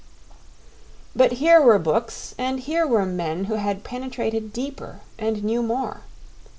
But here were books, and here were men who had penetrated deeper and knew more.